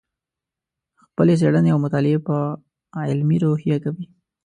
خپلې څېړنې او مطالعې په علمي روحیه کوې.